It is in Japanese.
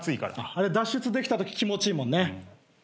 あれ脱出できたとき気持ちいいもんね。